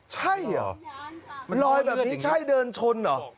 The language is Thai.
ใช่เหรอลอยแบบนี้ใช่เดินชนเหรอ